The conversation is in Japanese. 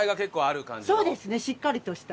そうですねしっかりとした。